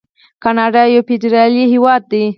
کاناډا یو فدرالي هیواد دی.